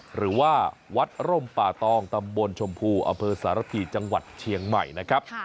หรือว่าวัดร่มป่าตองตำบลชมพูอำเภอสารพีจังหวัดเชียงใหม่นะครับ